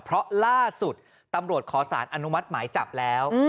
เพราะล่าสุดตำรวจขอสารอนุมัติหมายจับแล้ว